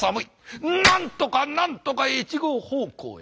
なんとかなんとか越後方向へ。